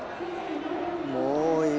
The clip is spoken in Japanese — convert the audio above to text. もういい。